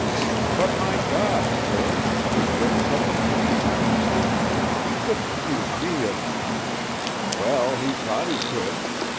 "But, my God, sir! Is there such a thing as honesty? He couldn't accuse me of " "Well, he thought he could.